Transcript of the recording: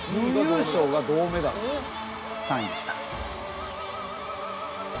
３位でした。